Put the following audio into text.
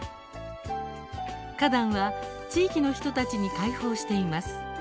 花壇は地域の人たちに開放しています。